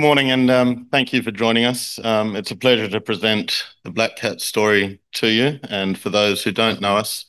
Good morning, thank you for joining us. It's a pleasure to present the Black Cat story to you. For those who don't know us,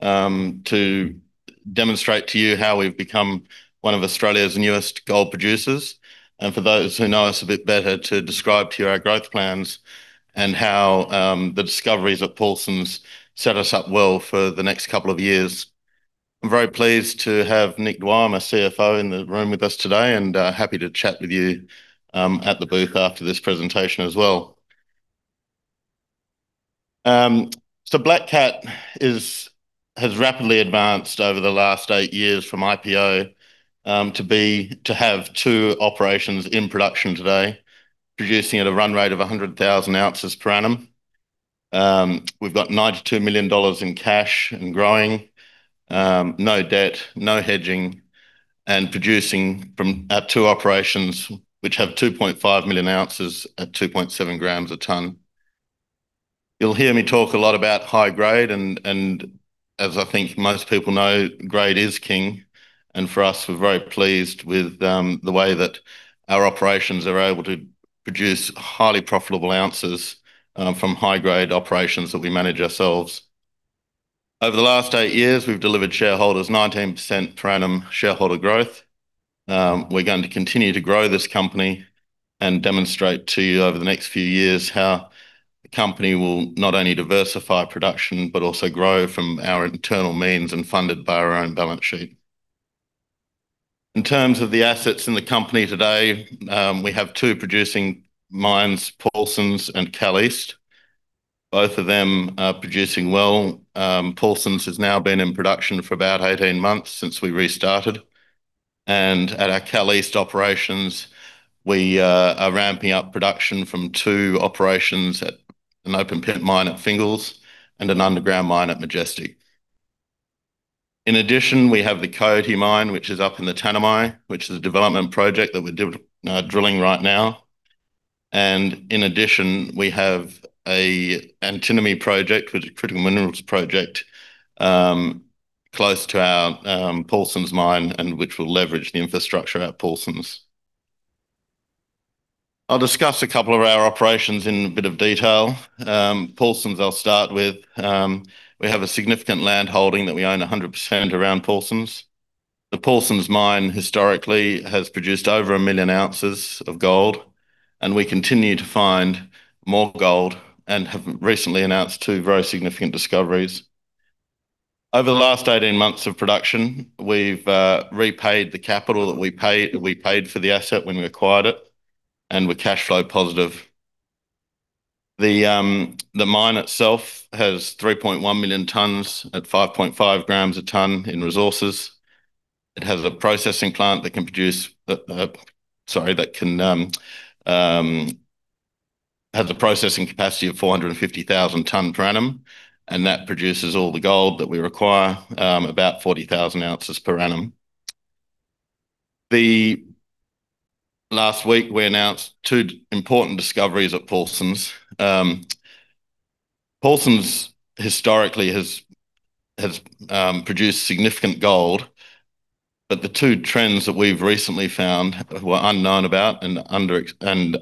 to demonstrate to you how we've become one of Australia's newest gold producers. For those who know us a bit better, to describe to you our growth plans and how the discoveries at Paulsens set us up well for the next couple of years. I'm very pleased to have Nick Dwyer, our CFO, in the room with us today and happy to chat with you at the booth after this presentation as well. Black Cat has rapidly advanced over the last eight years from IPO to have two operations in production today, producing at a run rate of 100,000 ounces per annum. We've got 92 million dollars in cash and growing, no debt, no hedging, producing from our two operations, which have 2.5 million ounces at 2.7 grams a ton. You'll hear me talk a lot about high grade and as I think most people know, grade is king. For us, we're very pleased with the way that our operations are able to produce highly profitable ounces from high grade operations that we manage ourselves. Over the last eight years, we've delivered shareholders 19% per annum shareholder growth. We're going to continue to grow this company and demonstrate to you over the next few years how the company will not only diversify production, but also grow from our internal means and funded by our own balance sheet. In terms of the assets in the company today, we have two producing mines, Paulsens and Kal East. Both of them are producing well. Paulsens has now been in production for about 18 months since we restarted. At our Kal East operations, we are ramping up production from two operations at an open pit mine at Fingals and an underground mine at Majestic. In addition, we have the Coyote Mine, which is up in the Tanami, which is a development project that we're drilling right now. In addition, we have a antimony project, which is a critical minerals project, close to our Paulsens mine and which will leverage the infrastructure at Paulsens. I'll discuss a couple of our operations in a bit of detail. Paulsens, I'll start with. We have a significant landholding that we own 100% around Paulsens. The Paulsens mine historically has produced over a million ounces of gold, and we continue to find more gold and have recently announced two very significant discoveries. Over the last 18 months of production, we've repaid the capital that we paid for the asset when we acquired it, and we're cash flow positive. The mine itself has 3.1 million tons at 5.5 grams a ton in resources. It has a processing plant that can have the processing capacity of 450,000 tons per annum, and that produces all the gold that we require, about 40,000 ounces per annum. Last week, we announced two important discoveries at Paulsens. Paulsens historically has produced significant gold, but the two trends that we've recently found were unknown about and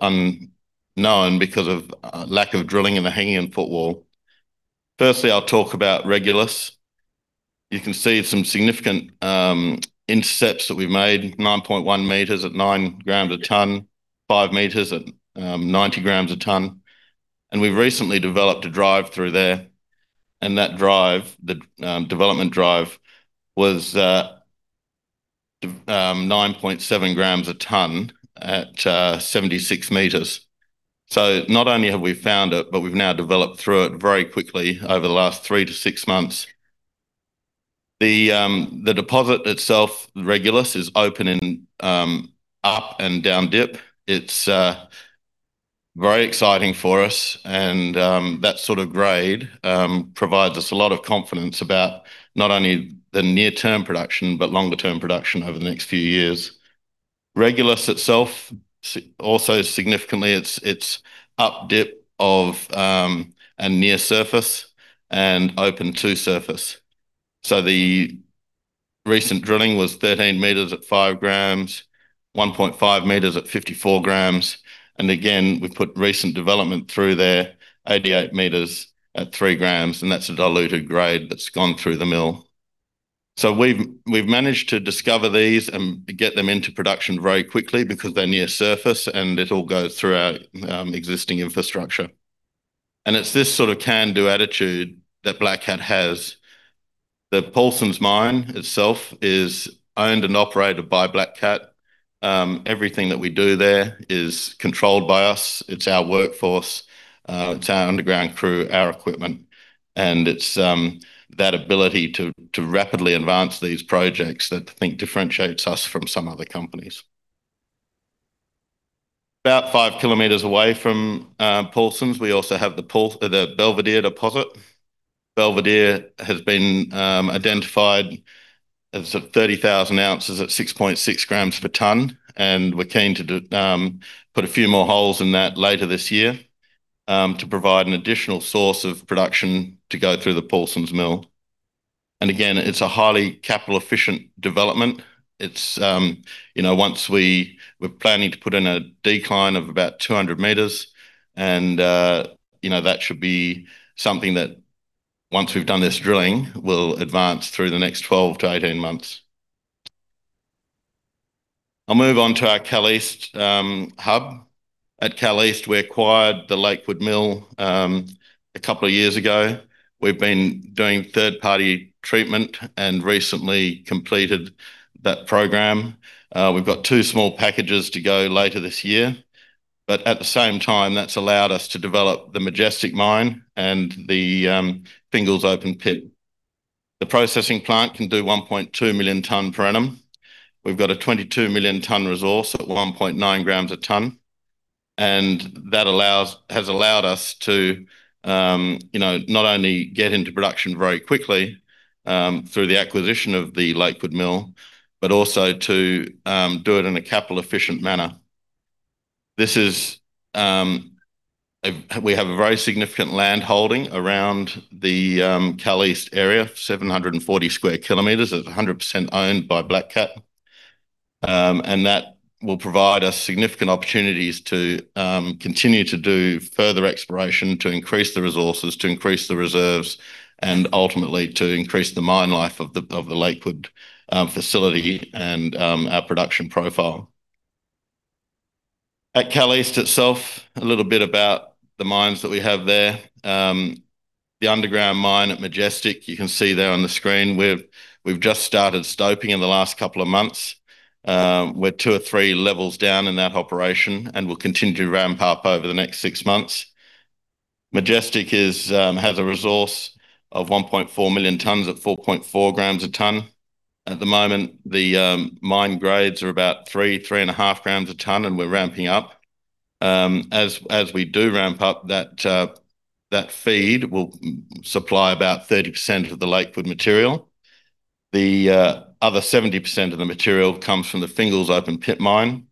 unknown because of lack of drilling in the hanging foot wall. Firstly, I'll talk about Regulus. You can see some significant intercepts that we've made, 9.1 meters at 9 grams a ton, five meters at 90 grams a ton. We've recently developed a drive-through there. That drive, the development drive, was 9.7 grams a ton at 76 meters. Not only have we found it, but we've now developed through it very quickly over the last three to six months. The deposit itself, Regulus, is open and up and down dip. It's very exciting for us, and that sort of grade provides us a lot of confidence about not only the near-term production, but longer-term production over the next few years. Regulus itself, also significantly, it's up dip and near surface and open to surface. The recent drilling was 13 meters at five grams, 1.5 meters at 54 grams. Again, we put recent development through there, 88 meters at three grams, and that's a diluted grade that's gone through the mill. We've managed to discover these and get them into production very quickly because they're near surface, and it all goes through our existing infrastructure. It's this sort of can-do attitude that Black Cat has. The Paulsens mine itself is owned and operated by Black Cat. Everything that we do there is controlled by us. It's our workforce, it's our underground crew, our equipment. It's that ability to rapidly advance these projects that I think differentiates us from some other companies. About 5 km away from Paulsens, we also have the Belvedere deposit. Belvedere has been identified as 30,000 ounces at 6.6 grams per ton, and we're keen to put a few more holes in that later this year to provide an additional source of production to go through the Paulsens mill. Again, it's a highly capital efficient development. We're planning to put in a decline of about 200 meters and that should be something that once we've done this drilling, we'll advance through the next 12-18 months. I'll move on to our Kal East hub. At Kal East, we acquired the Lakewood Mill a couple of years ago. We've been doing third party treatment and recently completed that program. We've got two small packages to go later this year. At the same time, that's allowed us to develop the Majestic Mine and the Fingals Open Pit. The processing plant can do 1.2 million ton per annum. We've got a 22 million ton resource at 1.9 grams a ton and that has allowed us to not only get into production very quickly through the acquisition of the Lakewood Mill, but also to do it in a capital efficient manner. We have a very significant land holding around the Kal East area, 740 sq km. It's 100% owned by Black Cat, and that will provide us significant opportunities to continue to do further exploration, to increase the resources, to increase the reserves, and ultimately to increase the mine life of the Lakewood facility and our production profile. At Kal East itself, a little bit about the mines that we have there. The underground mine at Majestic, you can see there on the screen, we've just started stoping in the last couple of months. We're two or three levels down in that operation, and we'll continue to ramp up over the next six months. Majestic has a resource of 1.4 million tons at 4.4 grams a ton. At the moment, the mine grades are about 3, 3.5 grams a ton, and we're ramping up. As we do ramp up, that feed will supply about 30% of the Lakewood material. The other 70% of the material comes from the Fingals Open Pit mine,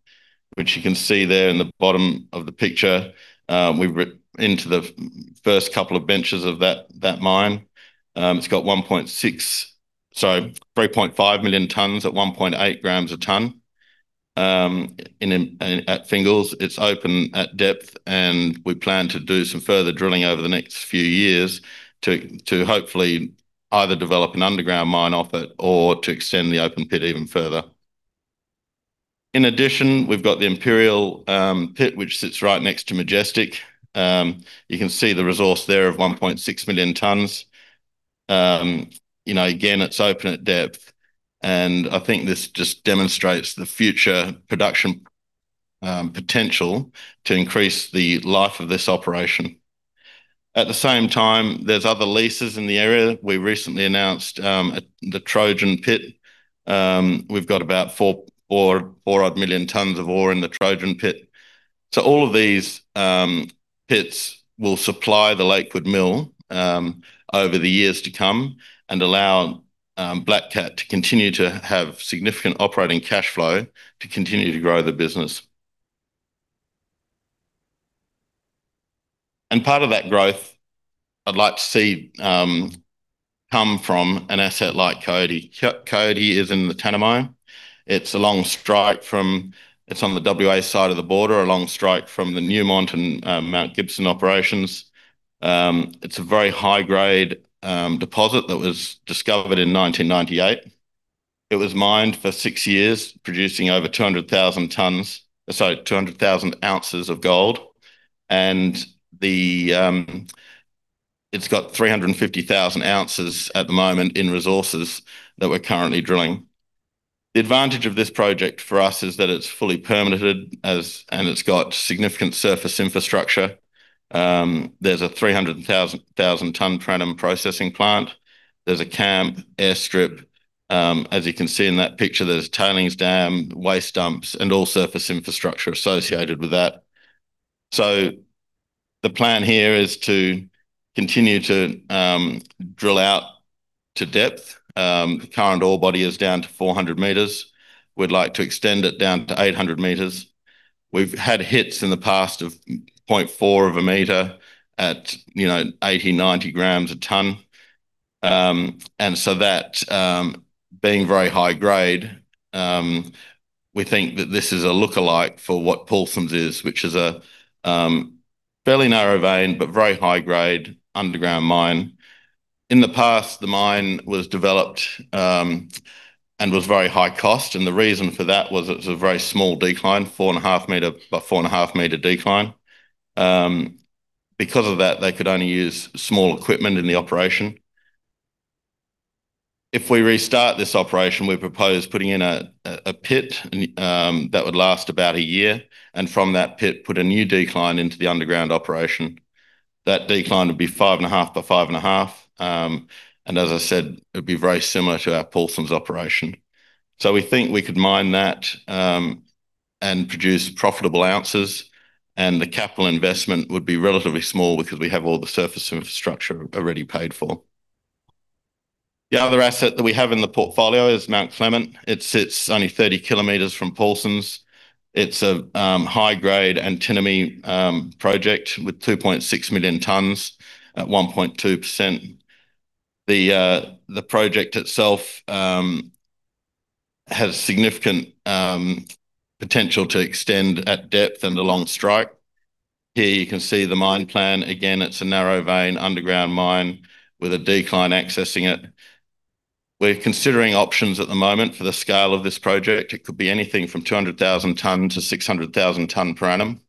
which you can see there in the bottom of the picture. We're into the first couple of benches of that mine. It's got 1.6, so 3.5 million tons at 1.8 grams a ton at Fingals. It's open at depth and we plan to do some further drilling over the next few years to hopefully either develop an underground mine off it or to extend the open pit even further. In addition, we've got the Imperial Pit, which sits right next to Majestic. You can see the resource there of 1.6 million tons. Again, it's open at depth and I think this just demonstrates the future production potential to increase the life of this operation. At the same time, there's other leases in the area. We recently announced the Trojan Pit. We've got about four odd million tons of ore in the Trojan Pit. All of these pits will supply the Lakewood Mill over the years to come and allow Black Cat to continue to have significant operating cash flow to continue to grow the business. Part of that growth, I'd like to see come from an asset like Coyote. Coyote is in the Tanami. It's on the W.A. side of the border, along strike from the Newmont and Mount Gibson operations. It's a very high grade deposit that was discovered in 1998. It was mined for six years, producing over 200,000 ounces of gold, and it's got 350,000 ounces at the moment in resources that we're currently drilling. The advantage of this project for us is that it's fully permitted and it's got significant surface infrastructure. There's a 300,000 ton per annum processing plant. There's a camp, airstrip. As you can see in that picture, there's a tailings dam, waste dumps, and all surface infrastructure associated with that. The plan here is to continue to drill out to depth. The current ore body is down to 400 meters. We'd like to extend it down to 800 meters. We've had hits in the past of 0.4 of a meter at 80, 90 grams a ton. That being very high grade, we think that this is a lookalike for what Paulsens is, which is a fairly narrow vein but very high grade underground mine. In the past, the mine was developed and was very high cost, and the reason for that was it was a very small decline, 4.5 meter by 4.5 meter decline. Because of that, they could only use small equipment in the operation. If we restart this operation, we propose putting in a pit that would last about a year, and from that pit, put a new decline into the underground operation. That decline would be 5.5 by 5.5. As I said, it would be very similar to our Paulsens operation. We think we could mine that and produce profitable ounces, and the capital investment would be relatively small because we have all the surface infrastructure already paid for. The other asset that we have in the portfolio is Mount Clement. It sits only 30 kilometers from Paulsens. It's a high grade antimony project with 2.6 million tons at 1.2%. The project itself has significant potential to extend at depth and along strike. Here you can see the mine plan. Again, it's a narrow vein underground mine with a decline accessing it. We're considering options at the moment for the scale of this project. It could be anything from 200,000 tons to 600,000 tons per annum.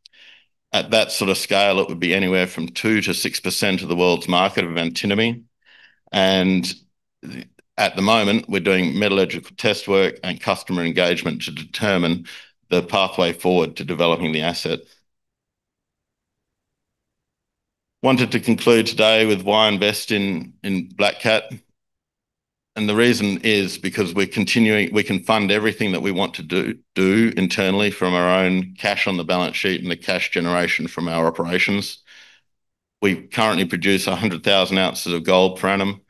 At that sort of scale, it would be anywhere from 2%-6% of the world's market of antimony. At the moment, we're doing metallurgical test work and customer engagement to determine the pathway forward to developing the asset. Wanted to conclude today with why invest in Black Cat. The reason is because we can fund everything that we want to do internally from our own cash on the balance sheet and the cash generation from our operations. We currently produce 100,000 ounces of gold per annum.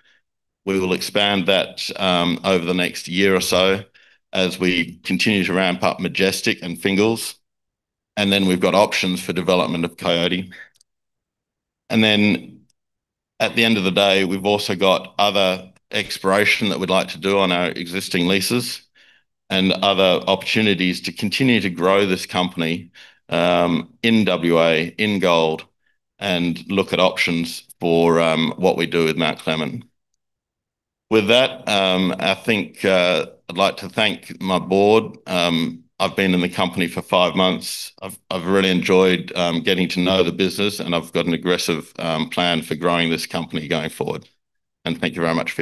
We will expand that over the next year or so as we continue to ramp up Majestic and Fingals. Then we've got options for development of Coyote. Then at the end of the day, we've also got other exploration that we'd like to do on our existing leases and other opportunities to continue to grow this company in W.A., in gold, and look at options for what we do with Mount Clement. With that, I think I'd like to thank my board. I've been in the company for five months. I've really enjoyed getting to know the business, and I've got an aggressive plan for growing this company going forward. Thank you very much for your time.